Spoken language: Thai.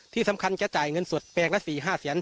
ที่สำคัญแก่จ่ายเงินสวรรค์แปลงละ๔๕เสียน